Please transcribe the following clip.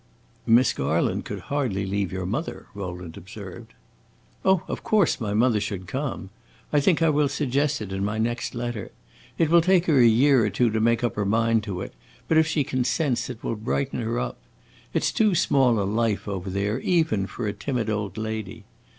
"Miss Garland could hardly leave your mother," Rowland observed. "Oh, of course my mother should come. I think I will suggest it in my next letter. It will take her a year or two to make up her mind to it, but if she consents it will brighten her up. It 's too small a life, over there, even for a timid old lady.